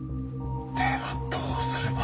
ではどうすれば。